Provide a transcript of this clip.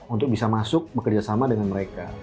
untuk bisa masuk bekerjasama dengan mereka